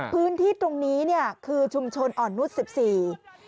พื้นที่ตรงนี้เนี่ยคือชุมชนอ่อนนุษย์สิบสี่